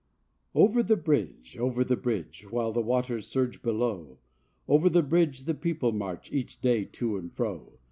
O ver the bridge, over the bridge, While the waters surge below, Over the bridge the people march Each day to and fro.